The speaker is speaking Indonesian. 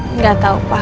gak tau pak